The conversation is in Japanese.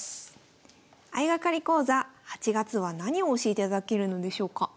相掛かり講座８月は何を教えていただけるのでしょうか？